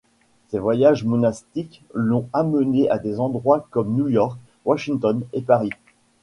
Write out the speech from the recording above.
Ses voyages monastiques l'ont amené à des endroits comme New York, Washington et Paris.